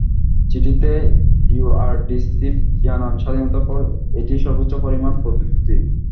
চিঠিতে ইআরডিসচিব জানান, স্বাধীনতার পর এটিই সর্বোচ্চ পরিমাণ প্রতিশ্রুতি।